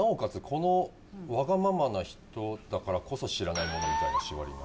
このわがままな人だからこそ知らないものみたいな縛りに。